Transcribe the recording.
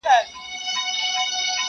نه د سرو ملو پیمانه سته زه به چیري ځمه،